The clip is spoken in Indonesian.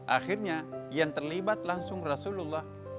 akhirnya yang terlibat langsung rasulullah